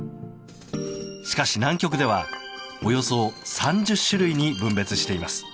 しかし、南極ではおよそ３０種類に分別しています。